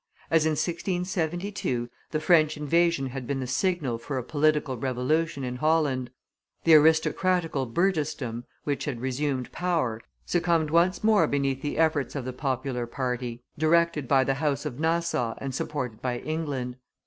As in 1672, the French invasion had been the signal for a political revolution in Holland; the aristocratical burgessdom, which had resumed power, succumbed once more beneath the efforts of the popular party, directed by the house of Nassau and supported by England.